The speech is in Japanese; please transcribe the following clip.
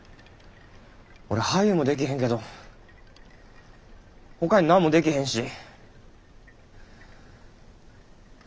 俺俳優もできへんけどほかに何もできへんし。